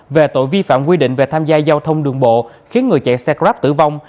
về tội vi phạm quy định về tham gia giao thông đường bộ khiến người chạy xe grab tử vong